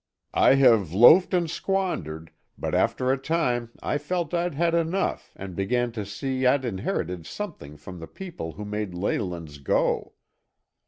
I have loafed and squandered, but after a time I felt I'd had enough and began to see I'd inherited something from the people who made Leyland's go.